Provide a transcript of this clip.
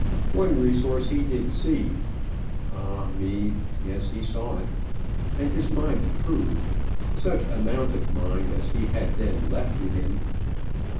One resource he did see. Ah, me! Yes, he saw it, and his mind approved such amount of mind as he had then left to him.